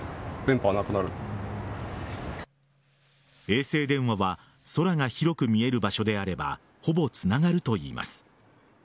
衛星電話は空が広く見える場所であればほぼつながるといいます。